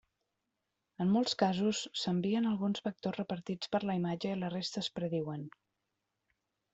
En molts casos, s'envien alguns vectors repartits per la imatge i la resta es prediuen.